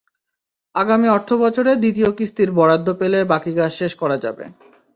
আগামী অর্থবছরে দ্বিতীয় কিস্তির বরাদ্দ পেলে বাকি কাজ শেষ করা যাবে।